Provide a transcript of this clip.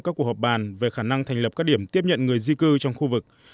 các cuộc họp bàn về khả năng thành lập các điểm tiếp nhận người di cư trong khu vực